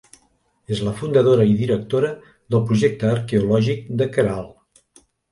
És la fundadora i directora del projecte arqueològic de Caral.